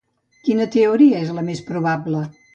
Quina teoria és la més probable?